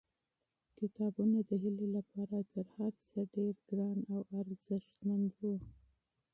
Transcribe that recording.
کتابونه د هیلې لپاره تر هر څه ډېر ګران او ارزښتمن وو.